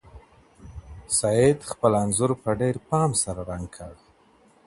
سعید خپل انځور په ډېر پام سره رنګ کړ.